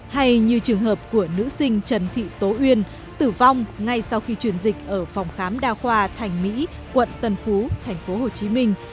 hay như trường hợp của nữ sinh trần thị tố uyên tử vong ngay sau khi truyền dịch ở phòng khám đa khoa thành mỹ quận tân phú thành phố hồ chí minh